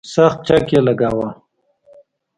سخت چک یې لګاوه.